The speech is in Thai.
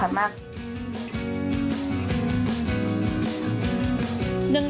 ที่นี่ได้รับการยกย่องว่าง